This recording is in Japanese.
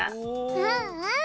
うんうん。